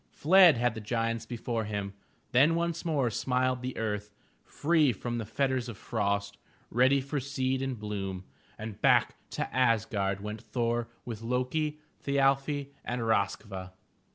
Fled had the giants be fore him. Then once more smiled the earth, free from the fetters of frost, ready for seed and bloom, and back to Asgard went Thor with Lo'ki, Thi al'fi and RoskVa.